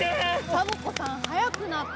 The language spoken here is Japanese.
サボ子さんはやくなった。